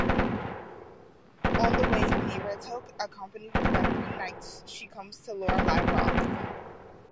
On the way thereto, accompanied by three knights, she comes to the Lorelei rock.